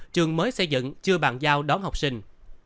trường mới xây dựng chưa bàn giao đón học sinh